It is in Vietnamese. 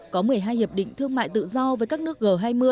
có một mươi hai hiệp định thương mại tự do với các nước g hai mươi